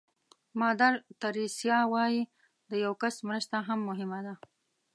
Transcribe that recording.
مادر تریسیا وایي د یو کس مرسته هم مهمه ده.